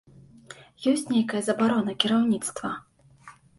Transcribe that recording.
Ёсць нейкая забарона кіраўніцтва?